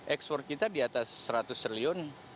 ekspor kita di atas seratus triliun